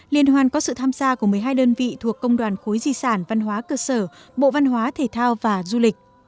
liên hoan có sự tham gia của một mươi hai đơn vị thuộc công đoàn khối di sản văn hóa cơ sở bộ văn hóa thể thao và du lịch